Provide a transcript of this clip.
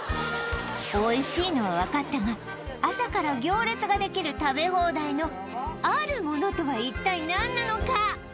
おいしいのは分かったが朝から行列ができる食べ放題のあるものとは一体何なのか？